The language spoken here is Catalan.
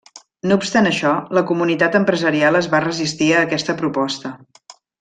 No obstant això, la comunitat empresarial es va resistir a aquesta proposta.